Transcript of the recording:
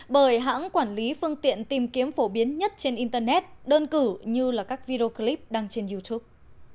bởi hãng quản lý phương tiện tìm kiếm phổ biến nhất trên internet đơn cử như là các video clip đăng trên youtube